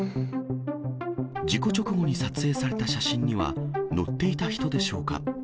事故直後に撮影された写真には、乗っていた人でしょうか。